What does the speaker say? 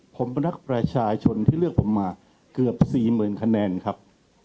ผมเป็นนักประชาชนที่เลือกผมมาเกือบ๔๐๐๐คะแนนครับ